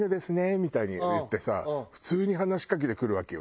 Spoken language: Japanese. みたいに言ってさ普通に話しかけてくるわけよ